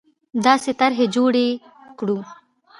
داسې طرحې جوړې کړو